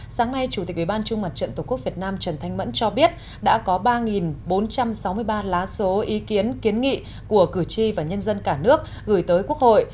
sáng nay chủ tịch ubnd tqvn trần thanh mẫn cho biết đã có ba bốn trăm sáu mươi ba lá số ý kiến kiến nghị của cử tri và nhân dân cả nước gửi tới quốc hội